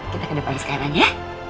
kita ke depannya sekarang ya